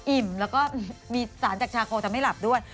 อิ่มแล้วก็มีสารจากชาโคแต่ไม่หลับด้วย